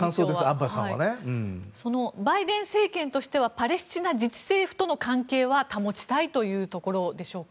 バイデン政権としてはパレスチナ自治政府との関係は保ちたいというところでしょうか。